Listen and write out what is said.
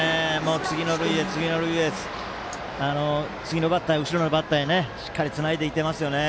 次の塁へ、次の塁へ次のバッターへ後ろのバッターへしっかりつないでいってますよね。